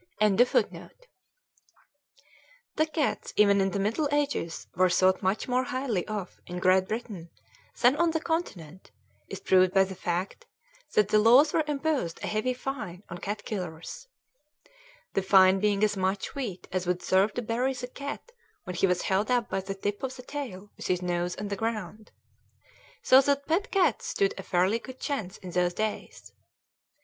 ] That cats, even in the Middle Ages, were thought much more highly of in Great Britain than on the Continent is proved by the fact that the laws there imposed a heavy fine on cat killers, the fine being as much wheat as would serve to bury the cat when he was held up by the tip of the tail with his nose on the ground. So that pet cats stood a fairly good chance in those days.